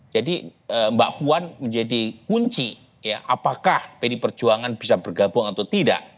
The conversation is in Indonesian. jadi mbak puan menjadi kunci apakah pdi perjuangan bisa bergabung atau tidak